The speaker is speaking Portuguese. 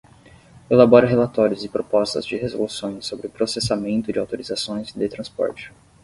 Elabora relatórios e propostas de resoluções sobre o processamento de autorizações de transporte.